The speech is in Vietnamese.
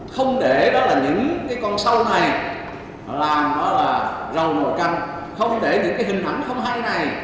không để những con sâu này làm rầu nồi canh không để những hình ảnh không hay này